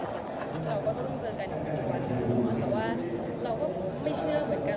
เพราะแค่รู้สึกว่าเมื่อเขาจะเตรียมเรียนดูมีเหนื่อยเช่นเช่น